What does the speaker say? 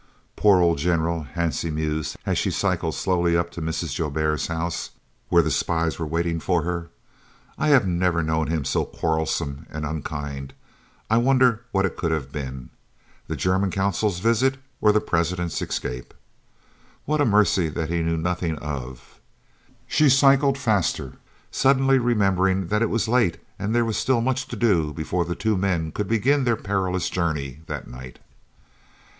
"Poor old General!" Hansie mused as she cycled slowly up to Mrs. Joubert's house, where the spies were waiting for her. "I have never known him so quarrelsome and unkind. I wonder what it could have been! The German Consul's visit or the President's escape? What a mercy that he knew nothing of " She cycled faster, suddenly remembering that it was late and there was still much to do before the two men could begin their perilous journey that night.